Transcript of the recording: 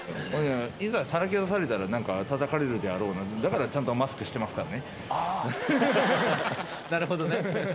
いざ、さらけ出されたら、なんか、たたかれるであろうな、だからちゃんとマスクしてます。